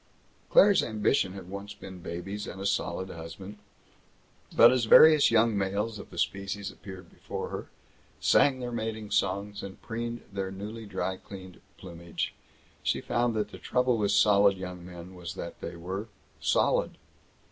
Claire's ambition had once been babies and a solid husband, but as various young males of the species appeared before her, sang their mating songs and preened their newly dry cleaned plumage, she found that the trouble with solid young men was that they were solid.